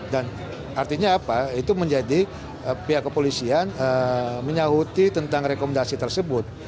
dan artinya apa itu menjadi pihak kepolisian menyahuti tentang rekomendasi tersebut